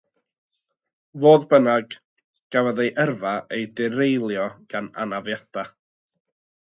Fodd bynnag, cafodd ei yrfa ei direilio gan anafiadau.